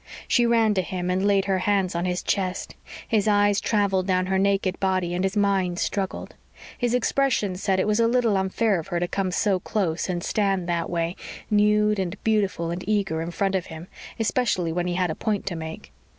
She ran to him and laid her hands on his chest; his eyes traveled down her naked body and his mind struggled. His expression said it was a little unfair of her to come so close and stand that way, nude and beautiful and eager, in front of him, especially when he had a point to make.